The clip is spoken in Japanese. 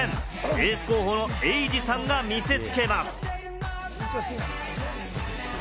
エース候補のエイジさんが見せつけます。